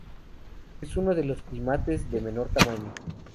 Es uno de los primates de menor tamaño.